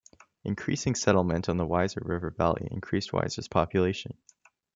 Increasing settlement on the Weiser River valley increased Weiser's population.